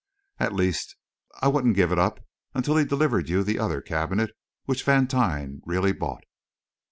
At least, I wouldn't give it up until he delivered to you the other cabinet which Vantine really bought."